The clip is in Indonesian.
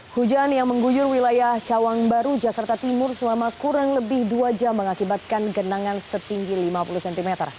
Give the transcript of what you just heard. hujan yang mengguyur wilayah cawang baru jakarta timur selama kurang lebih dua jam mengakibatkan genangan setinggi lima puluh cm